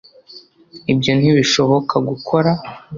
Ibyo ntibishoboka gukora